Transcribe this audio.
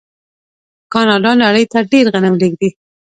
کاناډا نړۍ ته ډیر غنم لیږي.